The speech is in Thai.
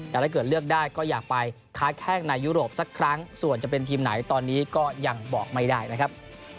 แต่ถ้าเกิดเลือกได้ก็อยากไปค้าแข้งในยุโรปสักครั้งส่วนจะเป็นทีมไหนตอนนี้ก็ยังบอกไม่ได้นะครับ